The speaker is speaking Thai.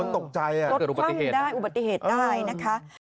ตกใจอ่ะเกิดอุบัติเหตุตกข้างได้อุบัติเหตุได้นะคะ